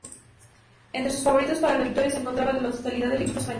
Entre los favoritos para la victoria se encontraba la totalidad del equipo español.